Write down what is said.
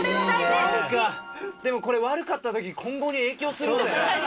でもこれ悪かったとき今後に影響するぜ。